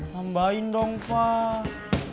tambahin dong pak